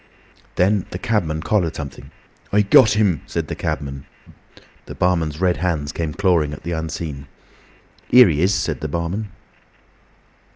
Then the cabman collared something. "I got him," said the cabman. The barman's red hands came clawing at the unseen. "Here he is!" said the barman.